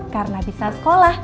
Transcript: karena bisa sekolah